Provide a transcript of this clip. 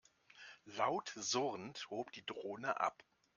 Laut surrend hob die Drohne ab.